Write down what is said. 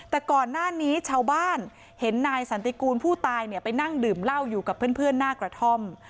แต่ก่อนหน้านี้ชาวบ้านเห็นนายสันติกูลผู้ตายเนี่ยไปนั่งดื่มเหล้าอยู่กับเพื่อนหน้ากระท่อม